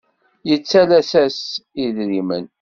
Yettalas-as idrimen.